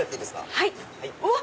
はい。